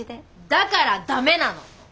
だからダメなの！